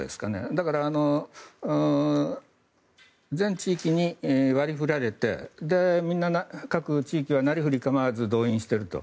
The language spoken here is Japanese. だから、それぞれ割り振られて各地域はなりふり構わず動員していると。